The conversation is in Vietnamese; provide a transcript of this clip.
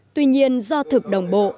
tuy nhiên do thực đồng bộ